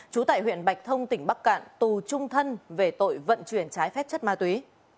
trú tại huyện bạch thông tỉnh bắc cạn tù trung thân về tội vận chuyển trái phép chất ma túy